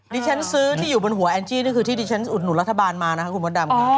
ดิเชนซ์ซื้อที่อยู่บนหัวแอนจี้นี่คือที่ดิเชนซ์อุดหนุนรัฐบาลมานะคะคุณพ่อดำค่ะ